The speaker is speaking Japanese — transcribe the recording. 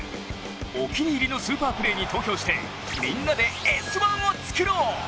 お気に入りのスーパープレーに投票してみんなで「Ｓ☆１」を作ろう！